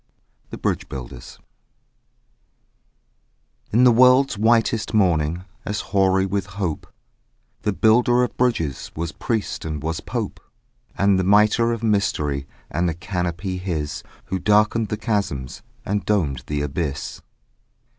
THE BRIDGE BUILDERS In the world's whitest morning As hoary with hope, The Builder of Bridges Was priest and was pope: And the mitre of mystery And the canopy his, Who darkened the chasms And domed the abyss.